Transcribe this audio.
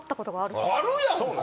あるやんか。